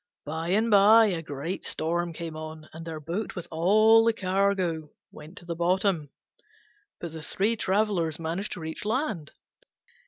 By and by a great storm came on, and their boat with all the cargo went to the bottom, but the three travellers managed to reach land.